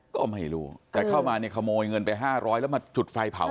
ก็ไม่รู้แต่เข้ามาเนี่ยขโมยเงินไป๕๐๐แล้วมาจุดไฟเผา